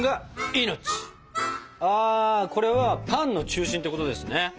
ああこれはパンの中心ってことですね？